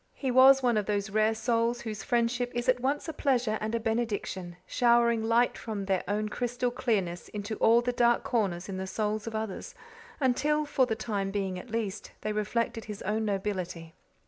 He was one of those rare souls whose friendship is at once a pleasure and a benediction, showering light from their own crystal clearness into all the dark corners in the souls of others, until, for the time being at least, they reflected his own nobility.